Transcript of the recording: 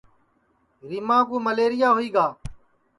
ریماں کُو مئلیریا ہوئی گا